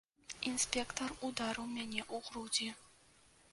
Інспектар ударыў мяне ў грудзі.